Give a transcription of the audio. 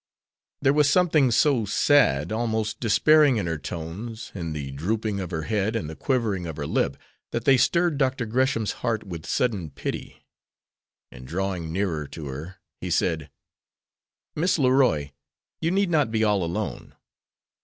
There was something so sad, almost despairing in her tones, in the drooping of her head, and the quivering of her lip, that they stirred Dr. Gresham's heart with sudden pity, and, drawing nearer to her, he said, "Miss Leroy, you need not be all alone.